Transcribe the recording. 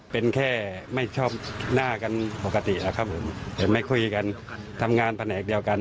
เป็นแค่ไม่ชอบหน้ากันปกติแล้วครับผมแต่ไม่คุยกันทำงานแผนกเดียวกัน